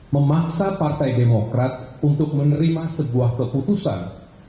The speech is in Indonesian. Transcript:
memaksa partai demokrat untuk menerima sebuah keputusan